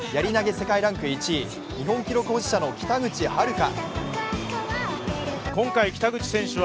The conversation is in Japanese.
世界ランク１位日本記録保持者の北口榛花。